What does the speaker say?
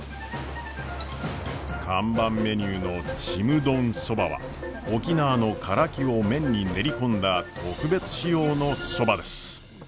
看板メニューのちむどんそばは沖縄のカラキを麺に練り込んだ特別仕様のそばです。